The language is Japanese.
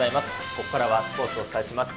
ここからはスポーツお伝えします。